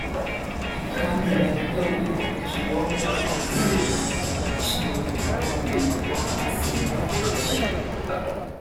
Hari kandi na Rutaburingoga Jérôme wari Umunyamabanga Nshingwabikorwa w’Umurenge wa Kansi muri ako Karere